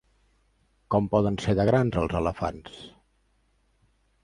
Com poden ser de grans els elefants?